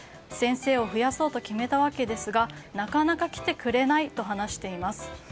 先生を増やそうと決めたわけですがなかなか来てくれないと話しています。